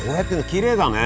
きれいだね。